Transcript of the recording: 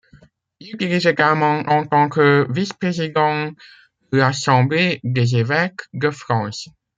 Il dirige également en tant que vice-président l'assemblée des évêques de France.